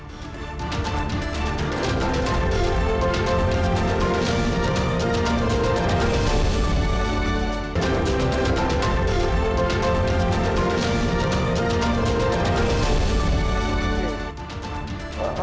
mas fadli nenggara